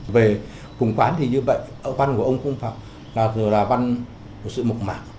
về khủng khoán thì như vậy văn của ông phong phạm là văn của sự mộc mạc